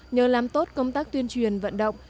nhờ làm tốt công tác tuyên truyền vận động